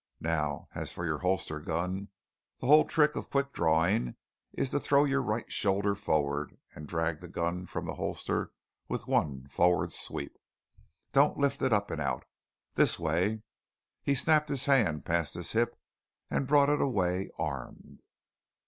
Now as for your holster gun: the whole trick of quick drawing is to throw your right shoulder forward and drag the gun from the holster with one forward sweep. Don't lift it up and out. This way!" He snapped his hand past his hip and brought it away armed.